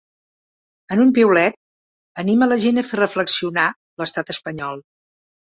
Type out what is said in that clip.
En un piulet, anima la gent a fer ‘reflexionar’ l’estat espanyol.